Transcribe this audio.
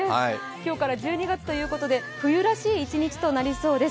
今日から１２月ということで冬らしい１日となりそうです。